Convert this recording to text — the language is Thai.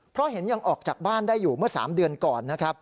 เพราะเห็นยังออกจากบ้านได้อยู่เมื่อ๓เดือนก่อนนะครับ